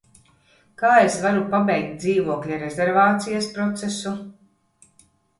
Kā es varu pabeigt dzīvokļa rezervācijas procesu?